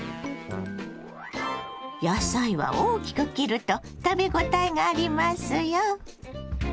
野菜は大きく切ると食べ応えがありますよ。